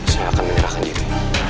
saya akan menyerahkan diri